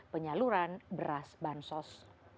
penyaluran beras bansos